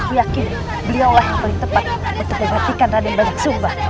aku yakin beliau lah yang paling tepat untuk membatikan raden bagaksumba